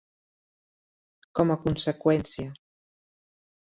Com a conseqüència.